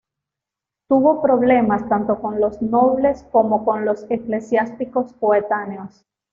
Tuvo problemas tanto con los nobles como con los eclesiásticos coetáneos.